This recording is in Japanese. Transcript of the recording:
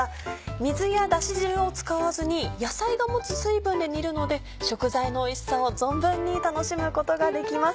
水やだし汁を使わずに野菜が持つ水分で煮るので食材のおいしさを存分に楽しむことができます。